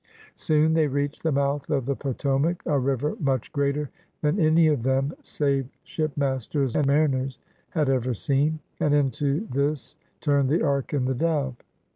Soon they reached the mouth of the Potomac — a river much greater than any of them, save ship masters and mariners, had ever seen — and into this turned the Ark and the Dove.